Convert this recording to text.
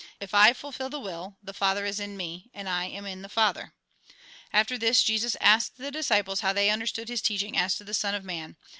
If I fulfil the will, the Father is in me, and I am in the Father." After this, Jesus asked the disciples how they understood his teaching as to the Son of Man.